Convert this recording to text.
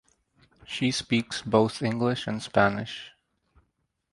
She speaks both English and Spanish.